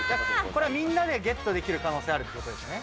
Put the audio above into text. これみんなでゲットできる可能性あるってことですよね。